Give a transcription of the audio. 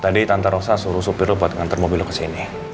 tadi tante rosa suruh supir lo buat ngantar mobil lo kesini